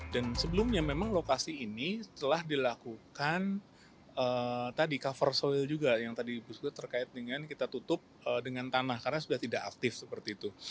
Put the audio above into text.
dan sebelumnya memang lokasi ini telah dilakukan tadi cover soil juga yang tadi terkait dengan kita tutup dengan tanah karena sudah tidak aktif seperti itu